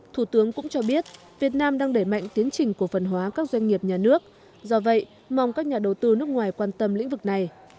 thủ tướng cũng cho biết việt nam đang đẩy mạnh tiến trình cổ phần hóa các doanh nghiệp nhà nước do vậy mong các nhà đầu tư nước ngoài quan tâm lĩnh vực này